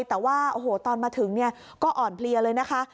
แต่ว่าโอ้โหตอนมาถึงเนี่ยก็อ่อนเพลียเลยนะคะ